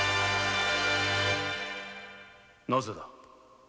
なぜだ！？